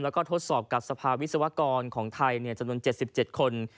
แล้วก็ทดสอบกับสภาวิศวกรของไทยจำนวน๗๗คน